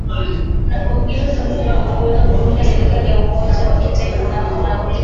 unapongeza zanzibar kwa kuweza kuunda serikali ya umoja wa kitaifa na unauliza